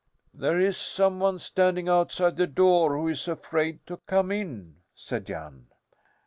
"There is some one standing outside the door who is afraid to come in," said Jan.